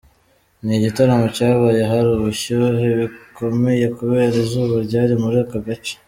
Ni igitaramo cyabaye hari ubushyuhe bukomeye kubera izuba ryari muri aka gace.